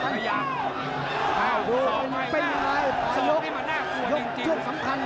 ทางโดนทางประหลาดนี่มันน่ากลัวจริง